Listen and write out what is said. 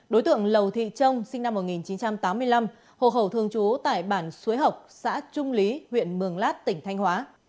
đối tượng lầu thị trông sinh năm một nghìn chín trăm tám mươi năm hộ khẩu thường trú tại bản xuối học xã trung lý huyện mường lát tỉnh thanh hóa